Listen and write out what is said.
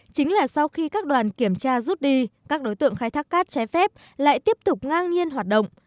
chính là sau khi các đoàn kiểm tra rút đi các đối tượng khai thác cát trái phép lại tiếp tục ngang nhiên hoạt động